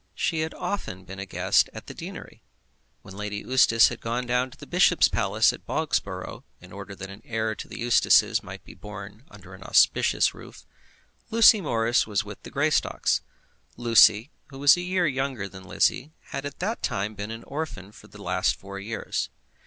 She had often been a guest at the deanery. When Lady Eustace had gone down to the bishop's palace at Bobsborough, in order that an heir to the Eustaces might be born under an auspicious roof, Lucy Morris was with the Greystocks. Lucy, who was a year younger than Lizzie, had at that time been an orphan for the last four years.